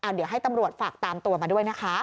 เดี๋ยวให้ตำรวจฝากตามตัวมาด้วยนะคะ